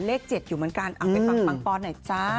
เลข๗อยู่เหมือนกันไปฟังปังปอนหน่อยจ้า